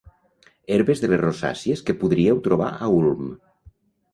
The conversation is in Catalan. Herbes de les rosàcies que podríeu trobar a Ulm.